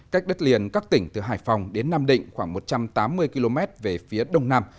cách đất liền các tỉnh từ hải phòng đến nam định khoảng một trăm tám mươi km về phía đông nam